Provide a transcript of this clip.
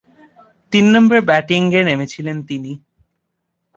তিন নম্বরে ব্যাটিংয়ে নেমেছিলেন তিনি।